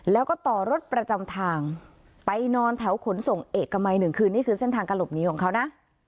แล้วก็ต่อรถประจำทางไปนอนแถวขนส่งเอกมัยหนึ่งคืนนี่คือเส้นทางการหลบหนีของเขานะ